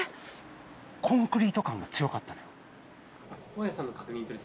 コンクリート感が強かったのよ。